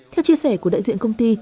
theo chia sẻ của đại diện công ty